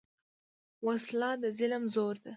وسله د ظلم زور ده